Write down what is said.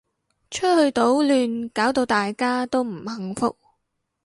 出去搗亂搞到大家都唔幸福